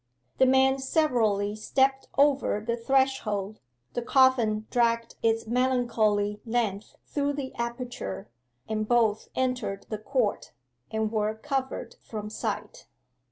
The men severally stepped over the threshold, the coffin dragged its melancholy length through the aperture, and both entered the court, and were covered from sight.